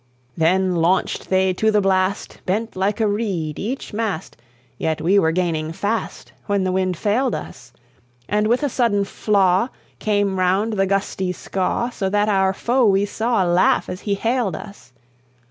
"Then launched they to the blast, Bent like a reed each mast, Yet we were gaining fast, When the wind failed us; And with a sudden flaw Came round the gusty Skaw, So that our foe we saw Laugh as he hailed us.